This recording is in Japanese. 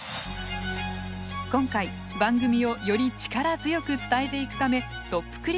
今回番組をより力強く伝えていくためトップ